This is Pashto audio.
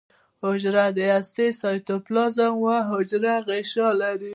حجره هسته سایتوپلازم او حجروي غشا لري